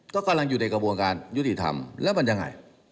ก็กำลังอยู่ในกระบวนการยุติธรรมแล้วมันยังไง